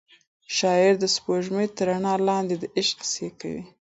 شاعر د سپوږمۍ تر رڼا لاندې د عشق کیسې کوي.